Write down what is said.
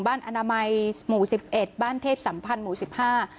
อนามัยหมู่สิบเอ็ดบ้านเทพสัมพันธ์หมู่สิบห้า